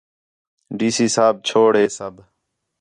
ڈی سی صاحب چھوڑ ہے سب